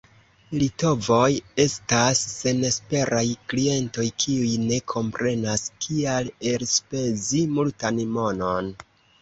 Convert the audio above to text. Litovoj estas senesperaj klientoj, kiuj ne komprenas, kial elspezi multan monon.